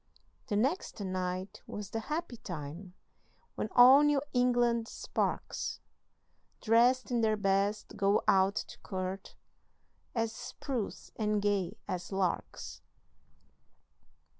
The next night was the happy time When all New England sparks, Drest in their best, go out to court, As spruce and gay as larks.